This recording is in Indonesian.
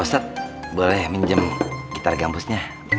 pak ustadz boleh minjem gitar gampusnya